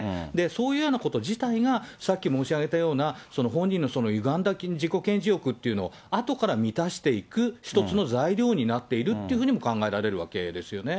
そういうようなこと自体がさっき申し上げたような、本人のゆがんだ自己顕示欲っていうのをあとから満たしていく一つの材料になっていくというふうにも考えられるわけですよね。